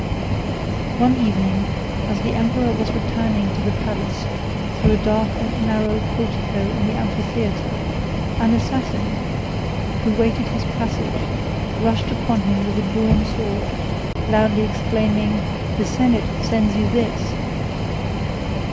] One evening, as the emperor was returning to the palace, through a dark and narrow portico in the amphitheatre, 14 an assassin, who waited his passage, rushed upon him with a drawn sword, loudly exclaiming, "The senate sends you this."